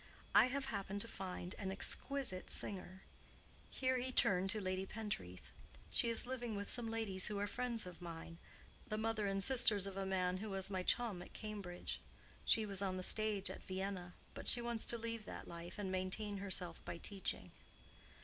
"I have happened to find an exquisite singer,"—here he turned to Lady Pentreath. "She is living with some ladies who are friends of mine—the mother and sisters of a man who was my chum at Cambridge. She was on the stage at Vienna; but she wants to leave that life, and maintain herself by teaching."